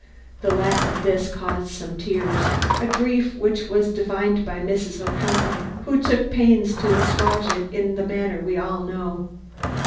The lack of this caused some tears a grief which was divined by Mrs. Ocumpaugh, who took pains to assuage it in the manner we all know.